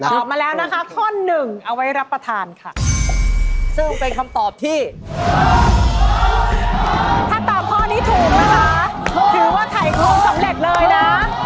ถ้าตอบคอนี้ถูกนะคือว่าถ่ายโครงสำเร็จเลยนะ